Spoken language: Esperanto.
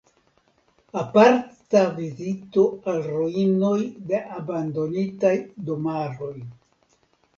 Aparta vizito al ruinoj de abandonitaj domaroj.